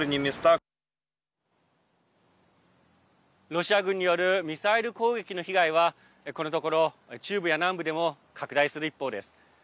ロシア軍によるミサイル攻撃の被害はこのところ、中部や南部でも拡大する一方です。